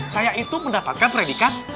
saya itu mendapatkan predikat